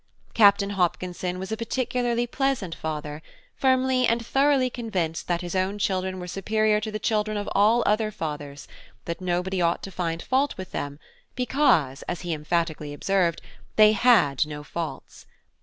Captain Hopkinson was a particularly pleasant father, firmly and thoroughly convinced that his own children were superior to the children of all other fathers, that nobody ought to find fault with them, because, as he emphatically observed, they had no faults!